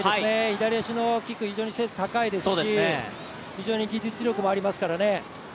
左足のキック、非常に精度が高いですし技術力もありますからね。